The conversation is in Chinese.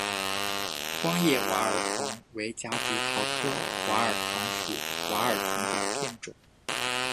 光叶娃儿藤为夹竹桃科娃儿藤属娃儿藤的变种。